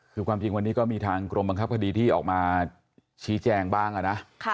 คือความจริงวันนี้ก็มีทางกรมบังคับคดีที่ออกมาชี้แจงบ้างนะ